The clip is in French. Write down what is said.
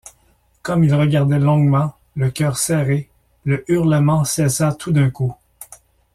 Comme il regardait longuement, le cœur serré, le hurlement cessa tout d’un coup.